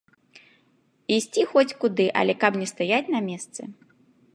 Ісці хоць куды, але каб не стаяць на месцы.